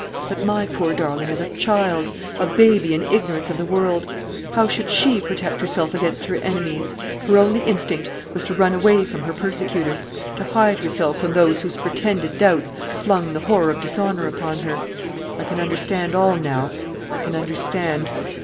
But my poor darling is a child; a baby in ignorance of the world. How should she protect herself against her enemies? Her only instinct was to run away from her persecutors, to hide herself from those whose pretended doubts flung the horror of dishonour upon her. I can understand all now; I can understand.